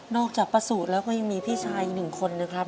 นอกจากประสูจน์แล้วก็ยังมีพี่ชายหนึ่งคนเลยครับ